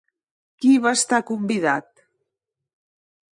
Qui hi va estar convidat?